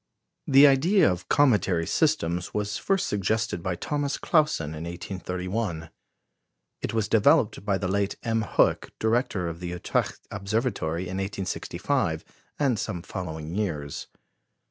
The idea of cometary systems was first suggested by Thomas Clausen in 1831. It was developed by the late M. Hoek, director of the Utrecht Observatory, in 1865 and some following years.